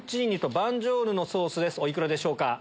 お幾らでしょうか？